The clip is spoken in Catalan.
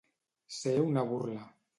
Ser una burla.